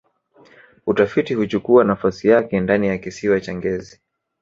utafiti huchukua nafasi yake ndani ya kisiwa cha ngezi